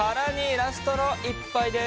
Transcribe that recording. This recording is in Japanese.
ラストの１杯です！